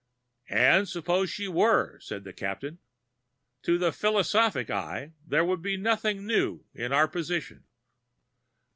"And suppose she were?" said the Captain. "To the philosophic eye, there would be nothing new in our position.